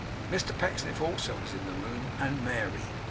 Mr Pecksniff also was in the room; and Mary.